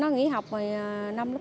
nó nghỉ học rồi năm lớp tám